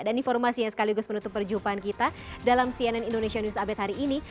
dan informasi yang sekaligus menutup perjumpaan kita dalam cnn indonesia news update hari ini